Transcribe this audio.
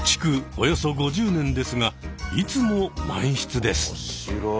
およそ５０年ですがいつも満室です。